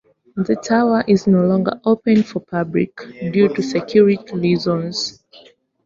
The tower is no longer open for public, due to security reasons.